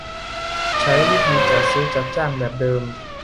ใช้วิธีจัดซื้อจัดจ้างแบบเดิม